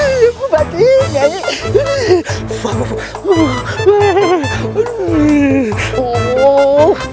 kau yang membuat aku marah